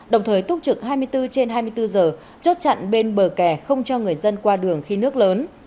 đồng thời túc trực hai mươi bốn trên hai mươi bốn giờ chốt chặn bên bờ kè không cho người dân qua đường khi nước lớn